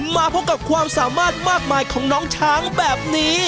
มาพบกับความสามารถมากมายของน้องช้างแบบนี้